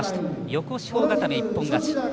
横四方固め、一本勝ち。